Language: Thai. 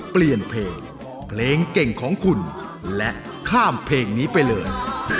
เปลี่ยนเพลงเพลงเก่งของคุณและข้ามเพลงนี้ไปเลย